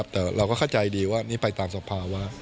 แต่เราก็เข้าใจดีว่านี่ไปตามสภาวะ